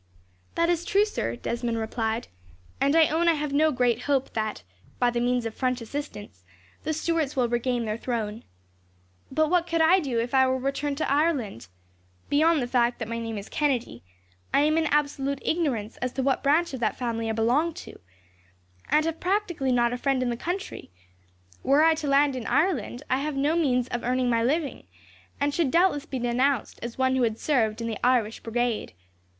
"That is true, sir," Desmond replied; "and I own I have no great hope that, by the means of French assistance, the Stuarts will regain their throne. But what could I do if I were to return to Ireland? Beyond the fact that my name is Kennedy, I am in absolute ignorance as to what branch of that family I belong to, and have practically not a friend in the country. Were I to land in Ireland, I have no means of earning my living, and should doubtless be denounced as one who had served in the Irish Brigade.